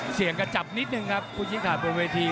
กระจับนิดนึงครับผู้ชี้ขาดบนเวที